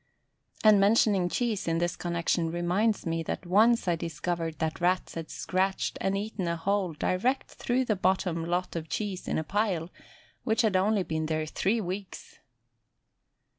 And mentioning cheese in this connection reminds me that once I discovered that Rats had scratched and eaten a hole direct through the bottom lot of cheese in a pile which had only been there three weeks.